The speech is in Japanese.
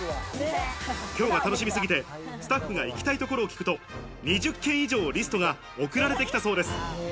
今日が楽しみすぎて、スタッフが行きたいところを聞くと、２０軒以上リストが送られてきたそうです。